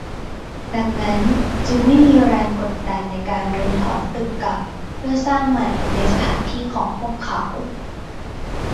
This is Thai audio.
ดังนั้นจึงไม่มีแรงกดดันในการรื้อถอนตึกเก่าเพื่อสร้างใหม่ในสถานที่ของพวกเขา